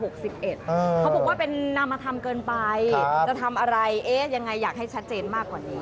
เขาบอกว่าเป็นนามธรรมเกินไปจะทำอะไรเอ๊ะยังไงอยากให้ชัดเจนมากกว่านี้